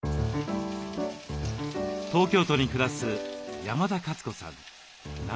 東京都に暮らす山田勝子さん